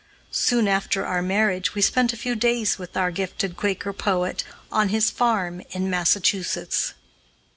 Soon after our marriage we spent a few days with our gifted Quaker poet, on his farm in Massachusetts.